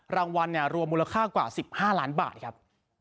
รางวัลรวมมูลค่ากว่า๑๕ล้านบาทครับ